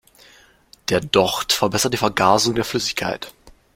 Der Docht verbessert die Vergasung der Flüssigkeit.